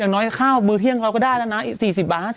อย่างน้อยข้าวบือเที่ยงเราก็ได้แล้วนะ๔๐บาท๕๐บาท